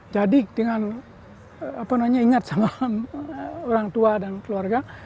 jadi dengan ingat sama orang tua dan keluarga